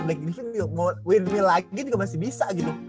black griffin ngawet win mill lagi juga masih bisa gitu